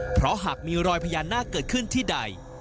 เพราะหากมีรอยพญานาคเกิดขึ้นที่ใด